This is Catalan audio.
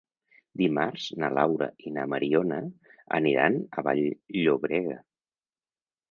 Dimarts na Laura i na Mariona aniran a Vall-llobrega.